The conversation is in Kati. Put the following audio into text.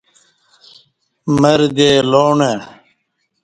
مردے لاݨہ